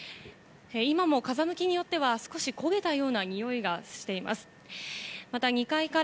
今も風向きによっては少し焦げたようなにおいがしています。